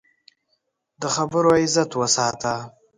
د خبرو عزت وساته